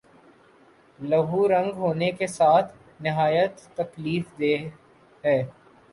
لہو رنگ ہونے کے ساتھ نہایت تکلیف دہ ہے